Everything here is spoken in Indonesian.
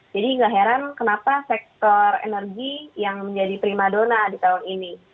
jadi tidak heran kenapa sektor energi yang menjadi prima dona di tahun ini